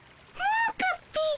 もうかっピ。